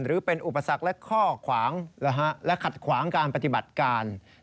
หรือเป็นอุปสรรคและข้อขวางและขัดขวางการปฏิบัติการ